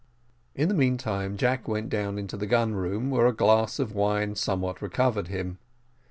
In the meantime Jack went down into the gun room, where a glass of wine somewhat recovered him.